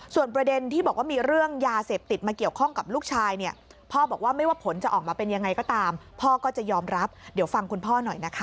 ส่วนประเด็นที่บอกว่ามีเรื่องยาเสพติดมาเกี่ยวข้องกับลูกชายเนี่ยพ่อบอกว่าไม่ว่าผลจะออกมาเป็นยังไงก็ตามพ่อก็จะยอมรับเดี๋ยวฟังคุณพ่อหน่อยนะคะ